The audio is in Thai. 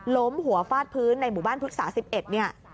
ล้มหัวฟาดพื้นในหมู่บ้านพุศศาสตร์๑๑